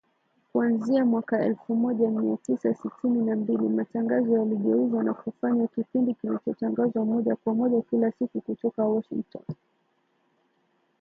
Kuanzia mwaka elfu moja mia tisa sitini na mbili, matangazo yaligeuzwa na kufanywa kipindi kilichotangazwa moja kwa moja, kila siku kutoka Washington